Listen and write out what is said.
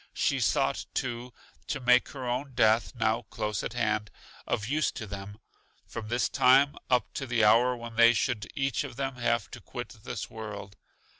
She sought, too, to make her own death, now close at hand, of use to them, from this time up to the hour when they should each of them have to quit this world.